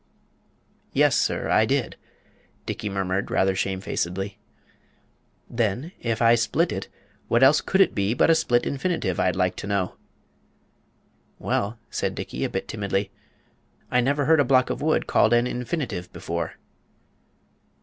"Yes, sir; I did," Dickey murmured rather shamefacedly. "Then, if I split it, what else could it be but a split infinitive, I'd like to know?" "Well," said Dickey, a bit timidly, "I never heard a block of wood called an infinitive before."